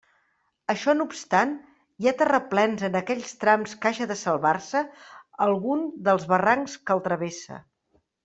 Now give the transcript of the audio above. Això no obstant, hi ha terraplens en aquells trams que haja de salvar-se algun dels barrancs que el travessa.